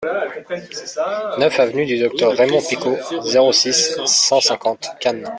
neuf avenue du Docteur Raymond Picaud, zéro six, cent cinquante, Cannes